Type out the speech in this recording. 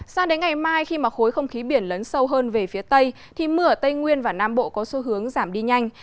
sang đến ngày mai khi mà khối không khí biển lấn sâu hơn về phía tây thì mưa ở tây nguyên và nam bộ có xu hướng giảm đi nhanh